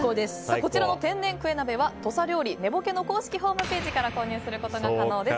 こちらの天然クエ鍋は土佐料理祢保希の公式ホームページから購入することが可能です。